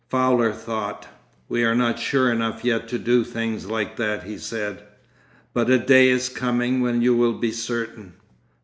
Fowler thought. 'We are not sure enough yet to do things like that,' he said. 'But a day is coming when you will be certain.